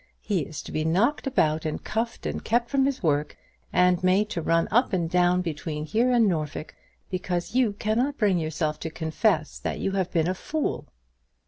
He is to be knocked about, and cuffed, and kept from his work, and made to run up and down between here and Norfolk, because you cannot bring yourself to confess that you have been a fool."